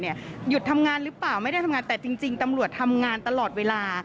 หยุดทำงานหรือเปล่าไม่ได้ทำงานแต่จริงตำรวจทำงานตลอดเวลา